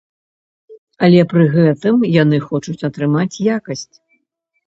Але пры гэтым яны хочуць атрымаць якасць.